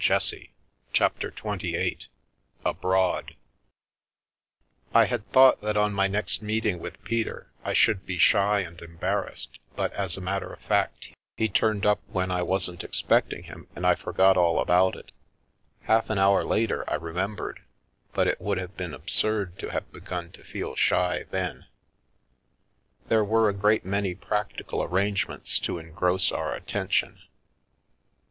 230 CHAPTER XXVIII ABROAD 1HAD thought that on my next meeting with Peter I should be shy and embarrassed, but as a matter of fact he turned up when I wasn't expecting him and I forgot all about it. Half an hour later I remembered, but it would have been absurd to have begun to feel shy then. There were a great many practical arrangements to engross our attention.